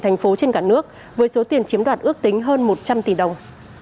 thành phố trên cả nước với số tiền chiếm đoạt ước tính hơn một trăm linh tỷ đồng